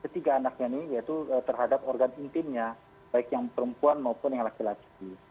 ketiga anaknya ini yaitu terhadap organ intimnya baik yang perempuan maupun yang laki laki